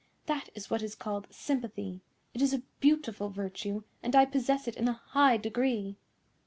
That is what is called sympathy. It is a beautiful virtue, and I possess it in a high degree.